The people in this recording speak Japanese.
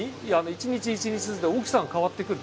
一日一日ずつで大きさが変わってくる。